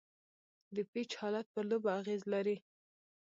د پيچ حالت پر لوبه اغېز لري.